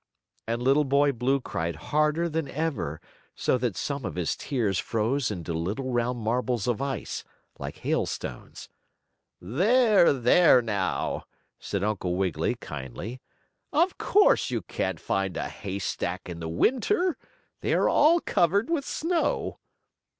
and Little Boy Blue cried harder than ever, so that some of his tears froze into little round marbles of ice, like hail stones. "There, there, now!" said Uncle Wiggily, kindly. "Of course you can't find a hay stack in the winter. They are all covered with snow."